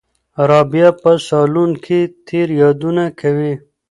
رابعه په صالون کې تېر یادونه کوي.